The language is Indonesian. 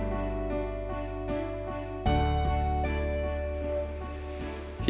kamu mengerti perasaanku